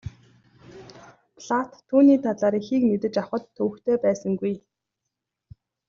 Платт түүний талаар ихийг мэдэж авахад төвөгтэй байсангүй.